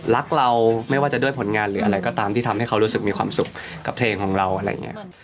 รักเราไม่ว่าจะด้วยผลงานหรืออะไรก็ตามที่ทำให้เขารู้สึกมีความสุขกับเพลงของเราอะไรอย่างนี้